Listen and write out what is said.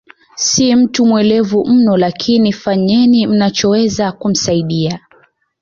Si mtu mwelevu mno lakini fanyeni mnachoweza kumsaidia